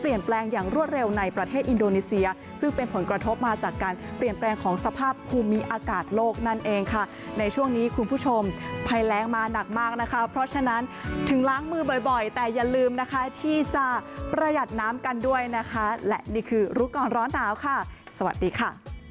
แปลงอย่างรวดเร็วในประเทศอินโดนีเซียซึ่งเป็นผลกระทบมาจากการเปลี่ยนแปลงของสภาพภูมิอากาศโลกนั่นเองค่ะในช่วงนี้คุณผู้ชมภัยแรงมาหนักมากนะคะเพราะฉะนั้นถึงล้างมือบ่อยแต่อย่าลืมนะคะที่จะประหยัดน้ำกันด้วยนะคะและนี่คือรู้ก่อนร้อนหนาวค่ะสวัสดีค่ะ